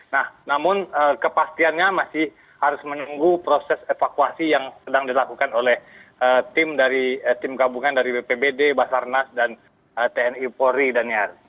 nah namun kepastiannya masih harus menunggu proses evakuasi yang sedang dilakukan oleh tim gabungan dari bpbd basarnas dan tni polri daniar